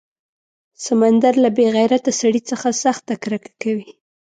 سمندر له بې غیرته سړي څخه سخته کرکه کوي.